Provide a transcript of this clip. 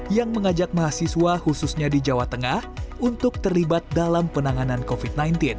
yang mengajak mahasiswa khususnya di jawa tengah untuk terlibat dalam penanganan covid sembilan belas